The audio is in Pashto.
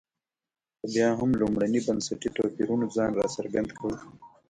خو بیا هم لومړني بنسټي توپیرونو ځان راڅرګند کړ.